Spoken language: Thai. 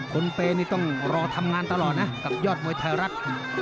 คุณเปย์นี่ต้องรอทำงานตลอดนะกับยอดมวยไทยรัฐ